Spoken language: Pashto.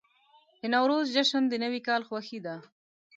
د نوروز جشن د نوي کال خوښي ده.